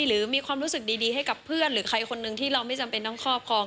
หรือมีความรู้สึกดีให้กับเพื่อนหรือใครคนนึงที่เราไม่จำเป็นต้องครอบครอง